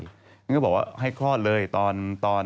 ก็บอกว่าให้คลอดเลยตอนตอน